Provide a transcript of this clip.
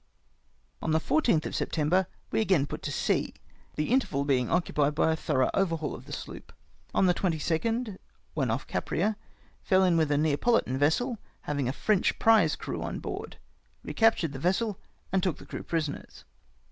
CRUISE ON THE SPANISH COAST. 99 On the 14th of September we again put to sea, tlie interval being occupied by a thorough overhaul of the sloop. On the 22 nd, when off Caprea, fell in with a NeapoHtan vessel havmg a French prize crew on board. Eecaptiu'ed the vessel, and took the crew prisoners.